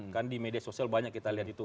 kan di media sosial banyak kita lihat itu